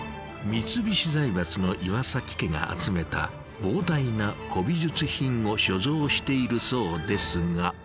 三菱財閥の岩家が集めた膨大な古美術品を所蔵しているそうですが。